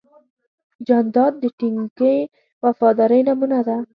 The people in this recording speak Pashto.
جانداد د ټینګې وفادارۍ نمونه ده.